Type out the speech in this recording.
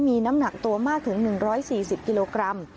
มีน้ำหนักตัวมากถึง๑๔๐กิโลกรัม